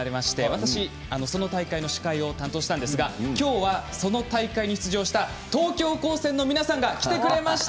私は、その司会を担当しました、今日はその大会に出場した東京高専の皆さんが来てくれました。